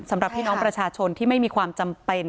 สำหรับพี่น้องประชาชนที่ไม่มีความจำเป็น